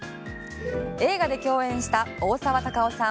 映画で共演した大沢たかおさん